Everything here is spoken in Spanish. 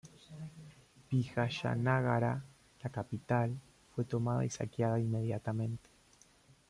Vijayanagara, la capital, fue tomada y saqueada inmediatamente.